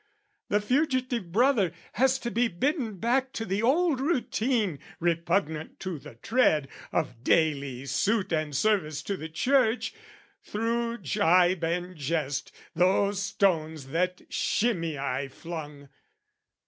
The fugitive brother has to be bidden back To the old routine, repugnant to the tread, Of daily suit and service to the Church, Thro' gibe and jest, those stones that Shimei flung!